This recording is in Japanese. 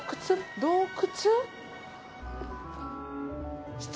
洞窟？